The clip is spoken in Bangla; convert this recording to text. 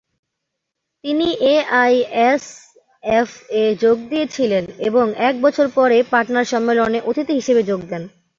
তিনি এ আই এস এফ-এ যোগ দিয়েছিলেন এবং এক বছর পরে পাটনার সম্মেলনে অতিথি হিসাবে যোগ দেন।